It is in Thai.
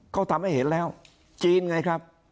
เขาทำให้เห็นแล้วจีนไงครับ